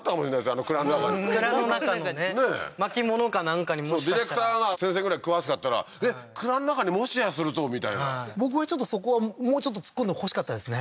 あの蔵の中に蔵の中のね巻き物かなんかにもしかしたらディレクターが先生ぐらい詳しかったらえっ蔵の中にもしやするとみたいな僕はちょっとそこはもうちょっと突っ込んでほしかったですね